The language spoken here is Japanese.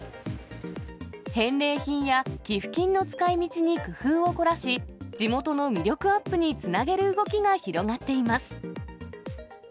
返礼品や寄付金の使いみちに工夫を凝らし、地元の魅力アップにつなげる動きが広がっています。